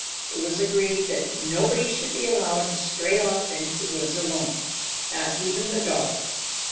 It was agreed that nobody should be allowed to stray off into the woods alone, not even the dog.